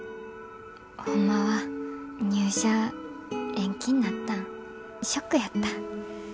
ホンマは入社延期になったんショックやった。